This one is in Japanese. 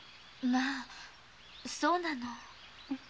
まぁそうなの。